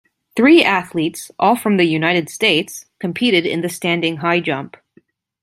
Three athletes, all from the United States, competed in the standing high jump.